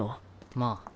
まあ。